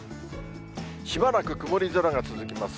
しばらく曇り空が続きます。